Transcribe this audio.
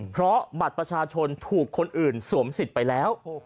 เพราะบัตรประชาชนถูกคนอื่นสวมสิทธิ์ไปแล้ว